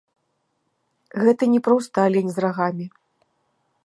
Гэта не проста алень з рагамі.